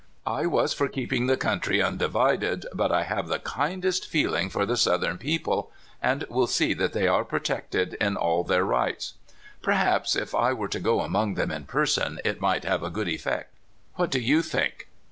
" I was for keeping the country undivided, but I have the kindest feeling for the Southern people, and will see that they are protected in all their rights. Perhaps if I were to go among them in person, it might have a good effect. What do you think?"